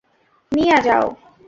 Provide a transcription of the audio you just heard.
নিয়া, যাও।